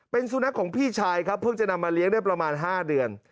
เป็นสุนัขของพี่ชายครับเพิ่งจะนำมาเลี้ยงได้ประมาณ๕เดือน